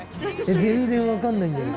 全然分かんないんだけど。